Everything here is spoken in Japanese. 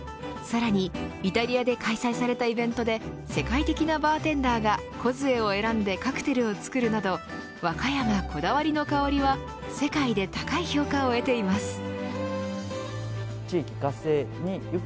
さらにイタリアで開催されたイベントで世界的なバーテンダーがＫＯＺＵＥを選んでカクテルを作るなど和歌山こだわりの香りは世界で高い評価を得ています。